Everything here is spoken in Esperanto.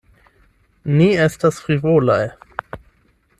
Ni estas frivolaj.